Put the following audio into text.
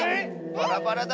バラバラだ。